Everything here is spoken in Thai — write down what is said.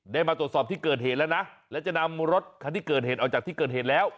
มาตรวจสอบที่เกิดเหตุแล้วนะและจะนำรถคันที่เกิดเหตุออกจากที่เกิดเหตุแล้ว